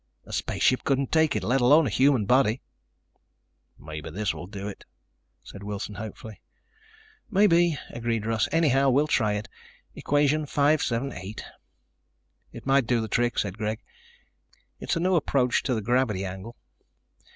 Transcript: A spaceship couldn't take it, let alone a human body." "Maybe this will do it," said Wilson hopefully. "Maybe," agreed Russ. "Anyhow we'll try it. Equation 578." "It might do the trick," said Greg. "It's a new approach to the gravity angle.